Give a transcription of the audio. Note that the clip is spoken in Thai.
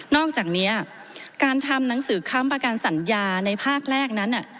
อกจากนี้การทำหนังสือค้ำประกันสัญญาในภาคแรกนั้น